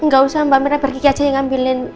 gak usah mbak berna pergi aja yang ngambilin